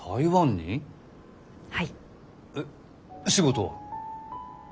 えっ仕事は？